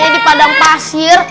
di padang pasir